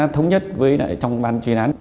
thống nhất với trong ban chuyên án